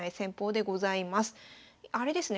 あれですね